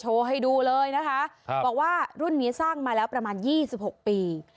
โชว์ให้ดูเลยนะคะครับบอกว่ารุ่นมีสร้างมาแล้วประมาณยี่สิบหกปี